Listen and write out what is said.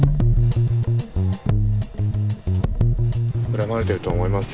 恨まれてると思いますよ。